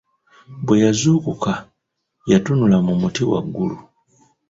Bwe yazuukuka, yatunula mu muti waggulu.